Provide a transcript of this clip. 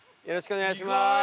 よろしくお願いします